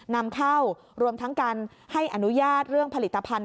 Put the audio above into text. นำเข้ารวมทั้งการให้อนุญาตเรื่องผลิตภัณฑ